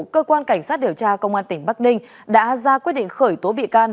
cơ quan cảnh sát điều tra công an tỉnh bắc ninh đã ra quyết định khởi tố bị can